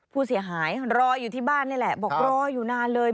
ผู้เสียหายรออยู่ที่บ้านนี่แหละบอกรออยู่นานเลย